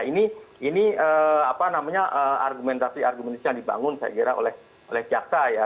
ini apa namanya argumentasi argumentasi yang dibangun saya kira oleh jaksa ya